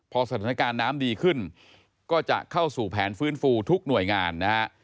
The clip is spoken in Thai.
พอสถานการณ์น้ำดีขึ้นก็จะเข้าสู่แผนฟื้นฟูทุกหน่วยงานนะฮะ